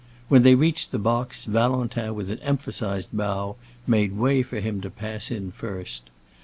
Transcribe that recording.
When they reached the box, Valentin with an emphasized bow made way for him to pass in first.